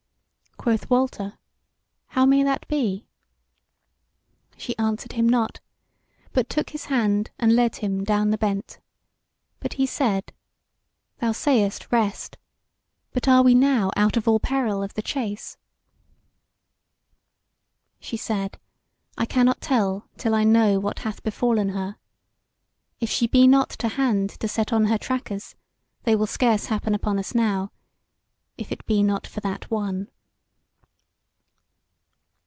Quoth Walter: "How may that be?" She answered him not, but took his hand and led him down the bent. But he said: "Thou sayest, rest; but are we now out of all peril of the chase?" She said: "I cannot tell till I know what hath befallen her. If she be not to hand to set on her trackers, they will scarce happen on us now; if it be not for that one."